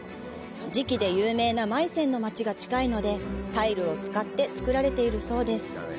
磁器で有名なマイセンの街が近いので、タイルを使って作られているそうです。